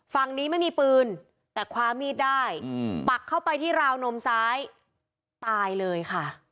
ฝั่งนี้ไม่มีปืนแต่คว้ามีดได้ปักเข้าไปที่ราวนมซ้ายตายเลยค่ะ